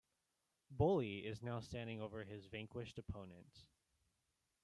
Bolie is now standing over his vanquished opponent.